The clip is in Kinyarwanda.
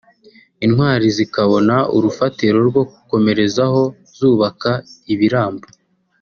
Intwari zikabona urufatiro rwo gukomerezaho zubaka ibiramba